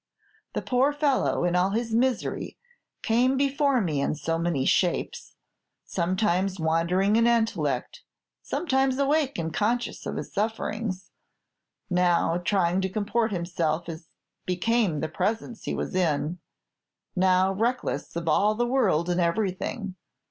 The poor fellow, in all his misery, came before me in so many shapes; sometimes wandering in intellect sometimes awake and conscious of his sufferings now trying to comport himself as became the presence he was in now reckless of all the world and everything.